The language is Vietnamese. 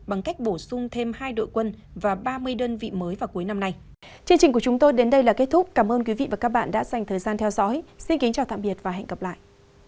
bằng cách bổ sung thêm hai đội quân và ba mươi đơn vị mới vào cuối năm nay